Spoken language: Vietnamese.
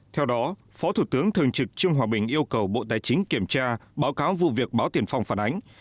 theo đó phó thủ tướng thường trực trương hòa bình yêu cầu bộ tài chính kiểm tra báo cáo vụ việc báo tiền phong phản ánh